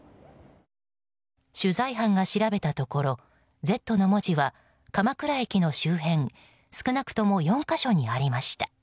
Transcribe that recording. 取材班が調べたところ「Ｚ」の文字は鎌倉駅の周辺少なくとも４か所にありました。